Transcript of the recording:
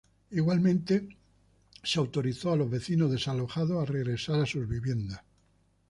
Igualmente, se autorizó a los vecinos desalojados a regresar a sus viviendas.